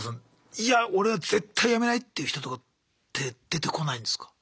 いや俺は絶対辞めないっていう人とか出てこないんですか？